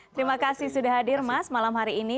terima kasih sudah hadir mas malam hari ini